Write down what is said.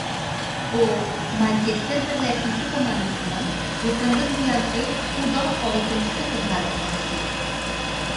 بۇ مانچېستېر بىرلەشمىسى كوماندىسىنىڭ يېقىندىن بۇيانقى ئۇدا ئالتىنچى قېتىم غەلىبە قىلىشى.